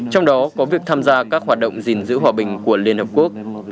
trong đó có việc tham gia các hoạt động gìn giữ hòa bình của liên hợp quốc